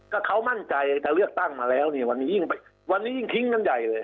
ก็เขามั่นใจถ้าเลือกตั้งมาแล้วเนี่ยวันนี้ยิ่งวันนี้ยิ่งทิ้งกันใหญ่เลย